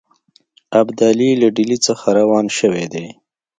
ابدالي له ډهلي څخه روان شوی دی.